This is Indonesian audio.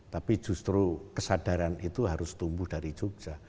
tapi justru kesadaran itu harus tumbuh dari jogja